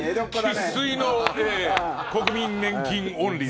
生粋の国民年金オンリー。